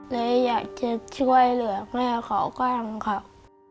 เลยอยากจะช่วยเรือแม่เขากล้างครับ